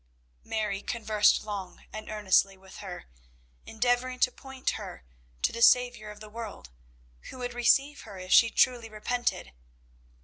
Mary conversed long and earnestly with her, endeavouring to point her to the Saviour of the world, who would receive her if she truly repented.